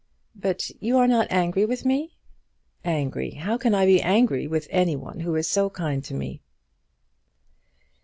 "But you are not angry with me?" "Angry! How can I be angry with any one who is so kind to me?"